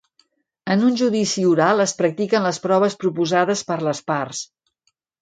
En un judici oral es practiquen les proves proposades per les parts.